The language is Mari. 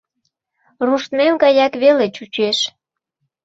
Руштмем гаяк веле чучеш.